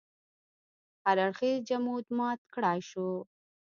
هر اړخیز جمود مات کړای شو.